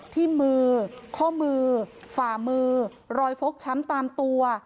ที่มือข้อมือฝ่ามือรอยฟกช้ำตามตัว